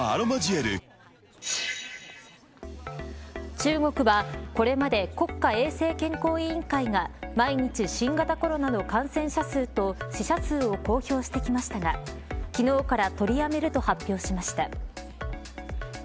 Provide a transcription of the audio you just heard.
中国はこれまで国家衛生健康委員会が毎日、新型コロナの感染者数と死者数を公表してきましたが昨日から取りやめると発表しました。